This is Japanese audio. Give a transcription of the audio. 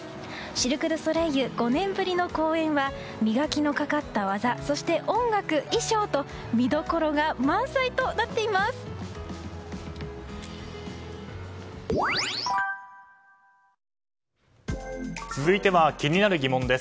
シルク・ドゥ・ソレイユ５年ぶりの公演は磨きのかかった技そして音楽、衣装と見どころが満載となっています！